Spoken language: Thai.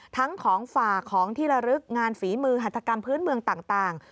ทั้งของฝากของที่ระลึกงานฝีมือหัตกรรมพื้นเมืองต่าง